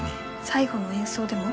最後の演奏でも？